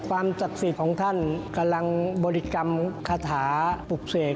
ศักดิ์สิทธิ์ของท่านกำลังบริกรรมคาถาปลุกเสก